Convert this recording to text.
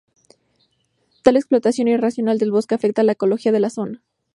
Tal explotación irracional del bosque afecta a la ecología de la zona.